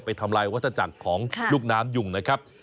ไปทำลายวัสดิ์จักรของลูกน้ำหยุ่งนะครับ